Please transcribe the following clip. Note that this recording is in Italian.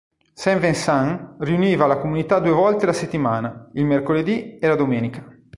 St. Vincent riuniva la comunità due volte la settimana, il mercoledì e la domenica.